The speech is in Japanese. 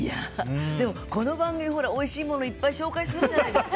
この番組、おいしいものをいっぱい紹介するじゃないですか。